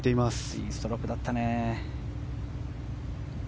いいストロークだったね。